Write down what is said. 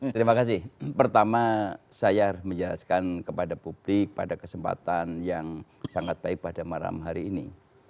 terima kasih pertama saya harus menjelaskan kepada publik pada kesempatan yang sangat baik pada malam hari ini